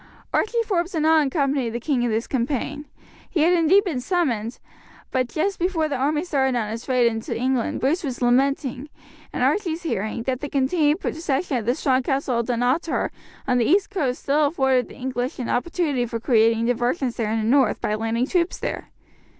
Archie Forbes did not accompany the king in this campaign. He had indeed been summoned, but just before the army started on its raid into England Bruce was lamenting, in Archie's hearing, that the continued possession of the strong castle of Dunottar on the east coast still afforded the English an opportunity for creating diversions in the north, by landing troops there.